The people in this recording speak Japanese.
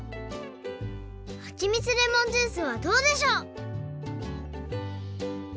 はちみつレモンジュースはどうでしょう？